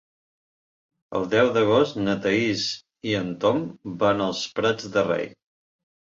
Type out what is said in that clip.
El deu d'agost na Thaís i en Tom van als Prats de Rei.